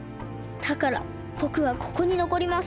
だからぼくはここにのこります。